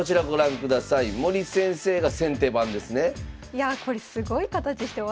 いやあこれすごい形してますね。